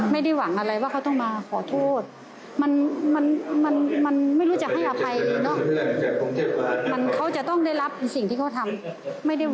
ไม่ได้หวังว่าต้องมาขอโทษต้องขอขมานะไม่มี